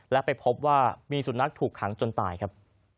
และไปพบว่ามีสุนัขถูกขังจนตายครับ